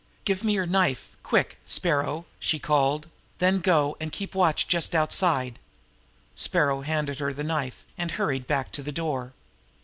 "Give me your knife quick Sparrow!" she called. "Then go and keep watch just outside." The Sparrow handed her his knife, and hurried back to the door.